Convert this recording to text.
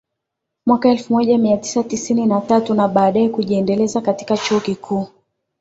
mwaka elfu moja mia tisa tisini na tatu na baadae kujiendeleza katika Chuo Kikuu